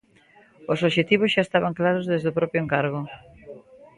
Os obxectivos xa estaban claros desde o propio encargo.